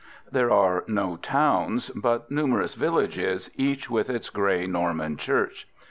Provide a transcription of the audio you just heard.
There are no towns, but numerous villages, each with its grey Norman church.